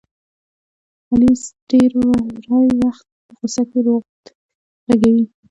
علي ډېری وخت په غوسه کې روض غږوي.